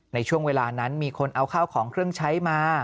ในช่วงเวลานั้นมีคนเอาข้าวของเครื่องใช้มา